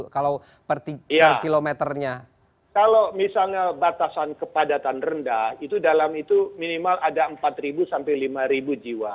kalau misalnya batasan kepadatan rendah itu dalam itu minimal ada empat sampai lima jiwa